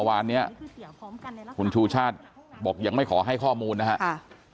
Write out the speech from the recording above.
วันนี้คุณชูชาติบอกยังไม่ขอให้ข้อมูลนะครับ